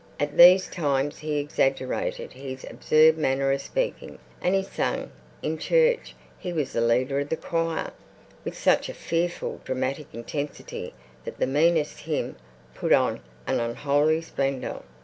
At these times he exaggerated his absurd manner of speaking, and he sang in church—he was the leader of the choir—with such fearful dramatic intensity that the meanest hymn put on an unholy splendour.